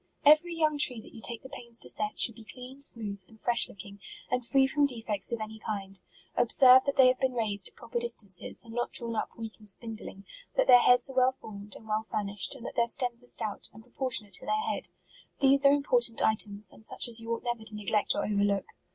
Every young tree that you take the pains to set, should be clean, smooth, and fresh looking, and free from defects of any kind. Observe that they have been raised at pro per distances, and not drawn up weak and spindling ; that their heads are well formed, and well furnished ; and that their stems are stout, and proportionate to their head. These are important items, and such as you ought never to neglect or overlook.